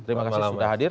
terima kasih sudah hadir